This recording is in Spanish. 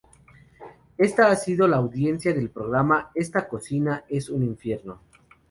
Esta ha sido la audiencia del programa "Esta cocina es un infierno"